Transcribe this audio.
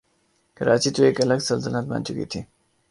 کراچی تو ایک الگ سلطنت بن چکی تھی۔